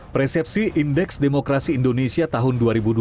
persepsi indeks demokrasi indonesia tahun dua ribu dua puluh